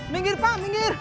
minggir pak minggir